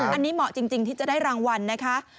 อันนี้เหมาะจริงที่จะได้รางวัลนะคะ